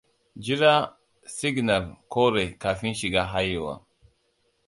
Jira siginar kore kafin shiga hayewa.